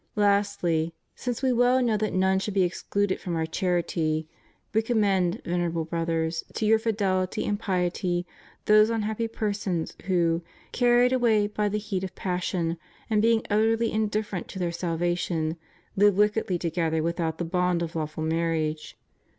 Lastly, since We well know that none should be ex cluded from Our charity. We commend, Venerable Brothers, to your fidehty and piety those unhappy persons who, carried away by the heat of passion, and being utterly indifferent to their salvation, live wickedly together without the bond of lawful marriage.